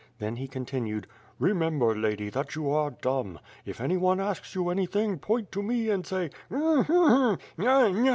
Then he continued: "Remember, lady, that you are dumb. If anyone asks you anything, point to me and say: Mm!